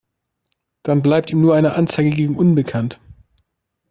Dann bleibt ihm nur eine Anzeige gegen unbekannt.